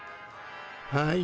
はい。